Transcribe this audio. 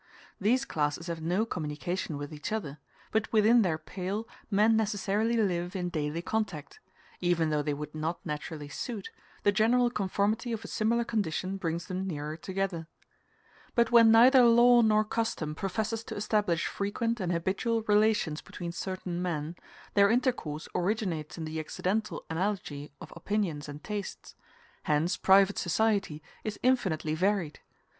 These classes have no communication with each other, but within their pale men necessarily live in daily contact; even though they would not naturally suit, the general conformity of a similar condition brings them nearer together. But when neither law nor custom professes to establish frequent and habitual relations between certain men, their intercourse originates in the accidental analogy of opinions and tastes; hence private society is infinitely varied.